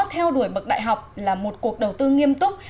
theo đuổi bậc đại học là một cuộc đầu tư nghiêm túc